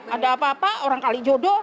ada apa apa orang kali jodoh